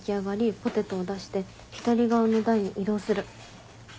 ポテトを出して左側の台に移動する。